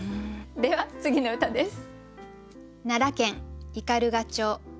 では次の歌です。